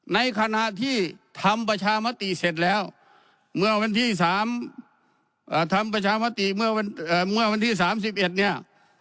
ในขณะที่ธรรมประชามาติเสร็จแล้วเมื่อวันที่๓๑เนี่ย